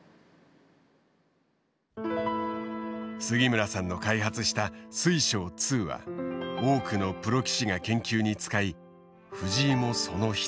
杉村さんの開発した水匠２は多くのプロ棋士が研究に使い藤井もその一人だ。